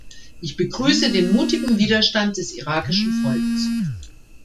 Ich begrüße den mutigen Widerstand des irakischen Volkes.